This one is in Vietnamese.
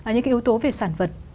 những yếu tố về sản vật